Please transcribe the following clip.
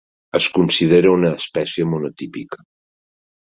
Es considera una espècie monotípica.